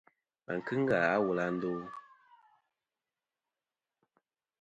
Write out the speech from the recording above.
Và kɨŋ ghà a wul à ndo ?